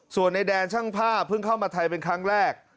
ส่วนในแดนช่างภาพเพิ่งเข้ามาไทยเป็นครั้งแรก